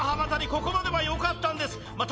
ここまではよかったんですまあ